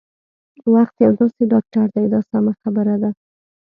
وخت یو داسې ډاکټر دی دا سمه خبره ده.